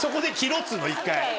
っつうの一回。